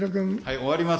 終わります。